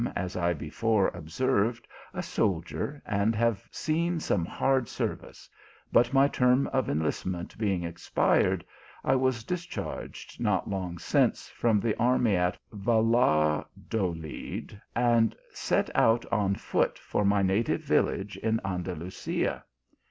as I before observed, a soldier, and have seen some hard service, but my term of enlistment being ex pired, I was discharged not long since from the army at Valladolid, and set out on foot for my native vil lage in Andalusia.